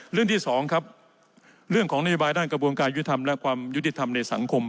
เรื่องที่สองครับเรื่องของนโยบายด้านกระบวนการยุทธรรมและความยุติธรรมในสังคม